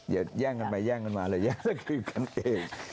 อย่าแย่งกันมาเลยแย่งกันกันเอง